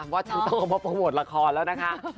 ว่าฉันต้องมาโปรโมทละครแล้วนะคะ